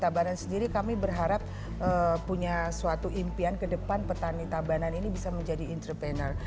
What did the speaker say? tabanan sendiri kami berharap punya suatu impian ke depan petani tabanan ini bisa menjadi entrepreneur